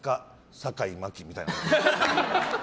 坂井真紀みたいな。